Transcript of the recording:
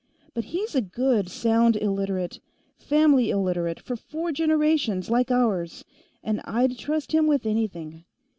But he's a good sound Illiterate family Illiterate for four generations, like ours and I'd trust him with anything.